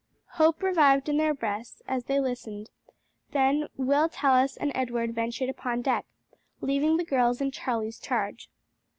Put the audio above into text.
Hope revived in their breasts, as they listened; then Will Tallis and Edward ventured upon deck, leaving the girls in Charlie's charge.